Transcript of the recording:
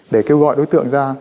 để kêu gọi đối tượng ra